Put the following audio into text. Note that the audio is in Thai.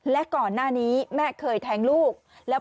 และก่อนหน้านี้แม่เคยแทงลูกแล้ว